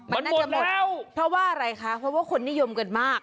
มันหมดแล้วเพราะว่าอะไรคะเพราะว่าคนนิยมเกินมาก